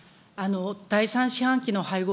第３四半期の配合